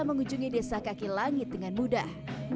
mengunjungi desa kaki langit dengan mudah